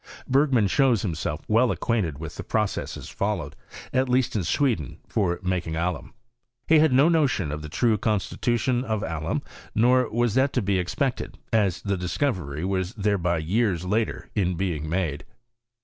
Bergman shows tumiself well acquainted with the processes followed, at least in Sweden, for making alum. He had no notion of the true constitution of alum; nor was that to be expected, as the discovery was thereby years later in being made.